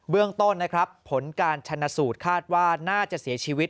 เรื่องต้นนะครับผลการชนะสูตรคาดว่าน่าจะเสียชีวิต